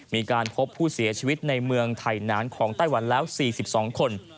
มีการพบผู้เสียชีวิตในเมืองไทยนานของไต้หวันแล้ว๔๒คน